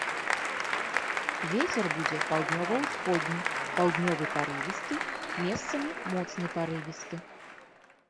Вецер будзе паўднёва-ўсходні, паўднёвы парывісты, месцамі моцны парывісты.